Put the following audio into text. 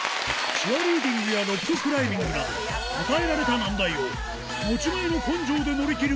チアリーディングやロッククライミングなど、与えられた難題を、持ち前の根性で乗り切る